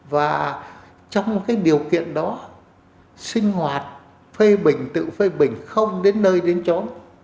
và trong cái điều kiện đó sinh hoạt phê bình tự phê bình không đến nơi đến chỗ